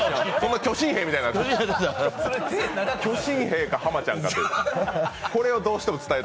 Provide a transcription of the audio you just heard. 巨神兵みたいになってる。